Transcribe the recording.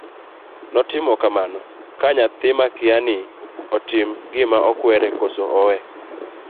notimo kamano ka nyathi makia ni to otim gima okwere koso owe